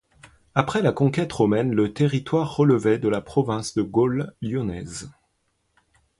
Après la conquête romaine le territoire relevait de la province de Gaule lyonnaise.